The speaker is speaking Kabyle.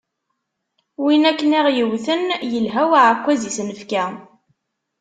Win akken i ɣ-yewten, yelha uɛekkaz i s-nefka.